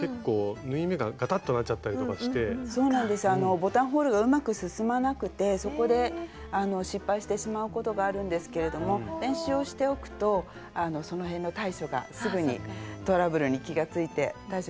ボタンホールがうまく進まなくてそこで失敗してしまうことがあるんですけれども練習をしておくとその辺の対処がすぐにトラブルに気がついて対処できると思います。